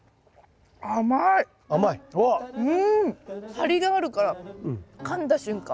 張りがあるからかんだ瞬間